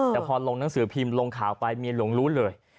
แต่พอลงหนังสือพิมพ์ลงข่าวไปเมียหลวงรู้เลย